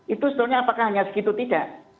itu sebetulnya apakah hanya segitu tidak